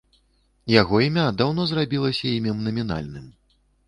Яго імя даўно зрабілася імем намінальным.